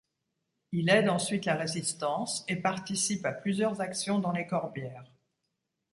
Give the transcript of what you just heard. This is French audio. Il aide ensuite la Résistance et participe à plusieurs actions dans les Corbières.